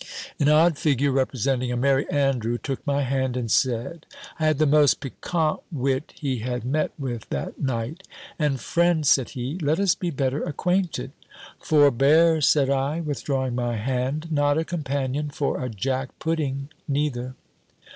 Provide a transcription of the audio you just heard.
An odd figure, representing a Merry Andrew, took my hand, and said, I had the most piquant wit he had met with that night: "And, friend," said he, "let us be better acquainted!" "Forbear," said I, withdrawing my hand; "not a companion for a Jack pudding, neither!"